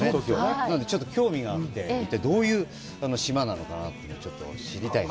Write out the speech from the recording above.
なので、ちょっと興味があって、どういう島なのかなとちょっと知りたいなと。